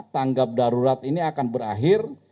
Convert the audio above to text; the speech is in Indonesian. tanggap darurat ini akan berakhir